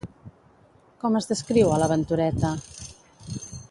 Com es descriu a la Ventureta?